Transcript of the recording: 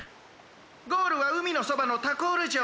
ゴールはうみのそばのタコールじょう。